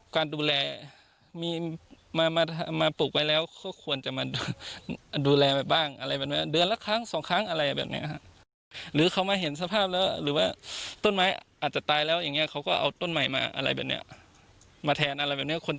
การดูแลมามามาปลูกไว้แล้วเขาควรจะมาดู